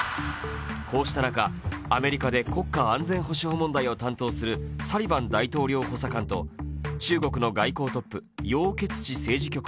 こうした中、アメリカで国家安全保障問題を担当するサリバン大統領補佐官と中国の外交トップ楊潔チ政治